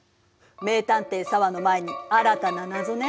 名探偵紗和の前に新たな謎ね。